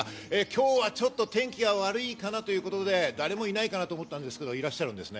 今日はちょっと天気が悪いかなというところで、誰もいないかなと思ったんですけど、いらっしゃるんです。